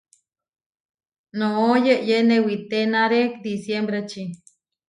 Noʼó yeyé newítenare disiembreči.